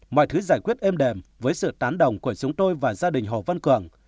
mọi thứ giải quyết êm đềm với sự tán đồng của chúng tôi và gia đình hồ văn cường